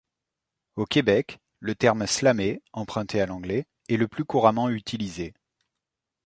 Au Québec, le terme slammer, emprunté à l'anglais, est le plus couramment utilisé.